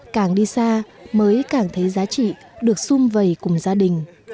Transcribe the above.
càng đi xa mới cảm thấy giá trị được xung vầy cùng gia đình